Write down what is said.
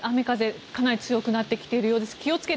雨風かなり強くなってきているようです。